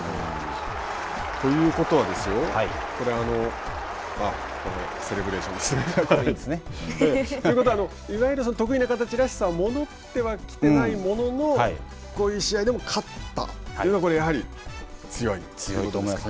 ということはですよセレブレーションですね。ということはいわゆる得意な形らしさは戻ってきてはいないもののこういう試合でも勝ったというのはやはり強いということなんですか。